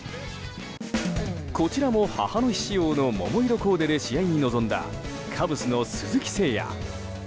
こちらも母の日仕様の桃色コーデで試合に臨んだカブスの鈴木誠也。